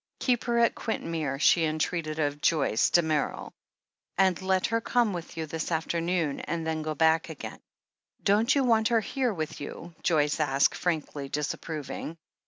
"Keep her at Quintmere," she entreated of Joyce "] 338 THE HEEL Of ACHILLES Damerel, "and let her come with you this afternoon and then go back again." "Don't you want her here with you?" Joyce asked, frankly disapproving.